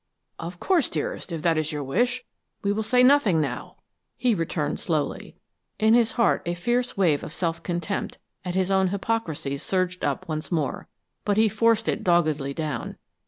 "Of course, dearest, if it is your wish, we will say nothing now," he returned slowly. In his heart a fierce wave of self contempt at his own hypocrisy surged up once more, but he forced it doggedly down.